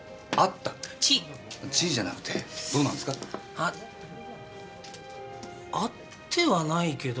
あっ会ってはないけど。